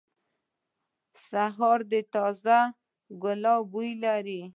سهار د تازه ګلاب بوی لري.